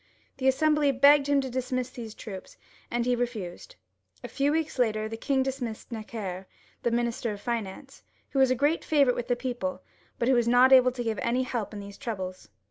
The Assembly begged him to dismiss these troops, and he re fused. A few weeks after, the king dismissed Necker, the Minister of Finance, who was a great favourite with the people, but who was not able to give any help in these troubles.